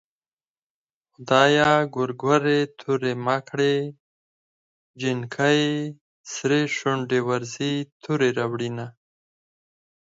خدايه ګورګورې تورې مه کړې جنکۍ سرې شونډې ورځي تورې راوړينه